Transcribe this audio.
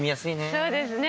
そうですね